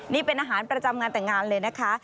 นี่เป็นอาหารประจำงานแต่งงานเลยนะคะ